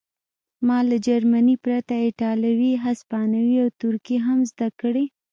ما له جرمني پرته ایټالوي هسپانوي او ترکي هم زده کړې